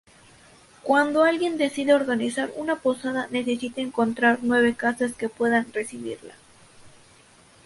Cuando alguien decide organizar una Posada, necesita encontrar nueve casas que puedan recibirla.